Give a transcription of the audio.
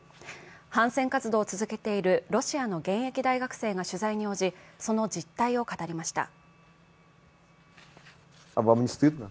反戦活動を続けているロシアの現役大学生が取材に応じその実態を語りました。